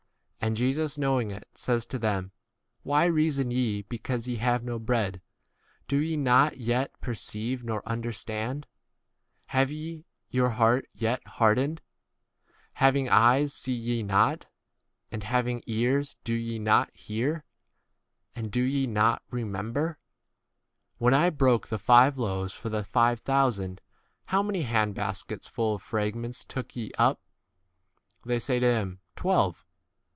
And Jesus knowing [it], says to them. Why reason ye because ye have no bread ? Do ye not yet per ceive nor understand ? Have ye 18 your heart yet hardened ? Having eyes, see ye not ? and having ears, do ye not hear ? and do ye not 19 remember ? When I broke the five loaves for the five thousand, how many hand baskets full of fragments took ye up ? They say 20 to him, Twelve.